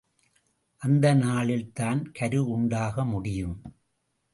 அந்த நாளில்தான் கரு உண்டாக முடியும்.